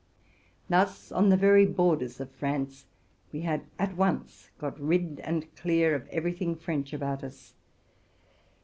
Thus, on the very borders of France, we had at once got rid and clear of every thing French about us.